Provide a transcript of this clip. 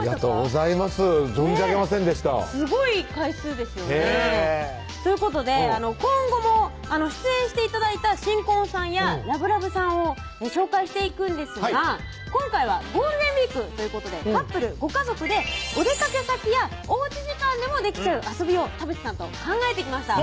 存じ上げませんでしたすごい回数ですよねということで今後も出演して頂いた新婚さんやラブラブさんを紹介していくんですが今回はＧＷということでカップル・ご家族でお出かけ先やおうち時間でもできちゃう遊びを田渕さんと考えてきました